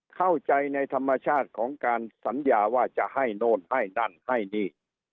เข้าใจในธรรมชาติของการสัญญาว่าจะให้โน่นให้นั่นให้นี่